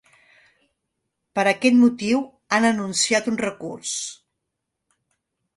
Per aquest motiu han anunciat un recurs.